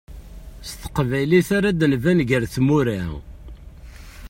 S teqbaylit ara d-nban gar tmura.